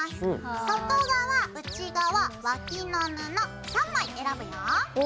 外側内側脇の布３枚選ぶよ。